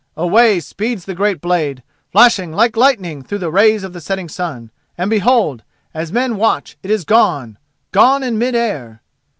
Away speeds the great blade, flashing like lightning through the rays of the setting sun, and behold! as men watch it is gone—gone in mid air!